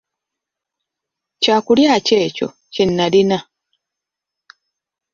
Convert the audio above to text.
Kyakulya ki ekyo kye nalina?